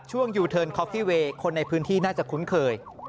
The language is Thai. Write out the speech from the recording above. ยูเทิร์นคอฟฟี่เวย์คนในพื้นที่น่าจะคุ้นเคย